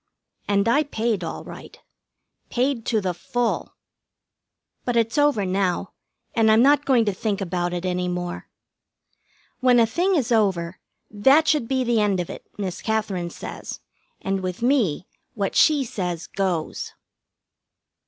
And I paid all right. Paid to the full. But it's over now, and I'm not going to think about it any more. When a thing is over, that should be the end of it, Miss Katherine says, and with me what she says goes.